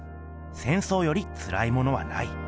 戦争よりつらいものはない」。